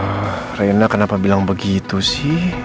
ya allah reina kenapa bilang begitu sih